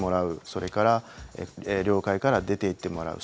それから領海から出ていってもらう。